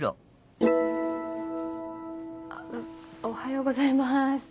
おはようございます。